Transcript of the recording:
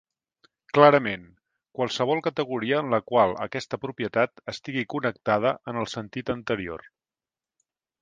Clarament, qualsevol categoria en la qual aquesta propietat estigui connectada en el sentit anterior.